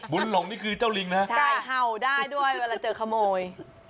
หลงนี่คือเจ้าลิงนะใช่เห่าได้ด้วยเวลาเจอขโมย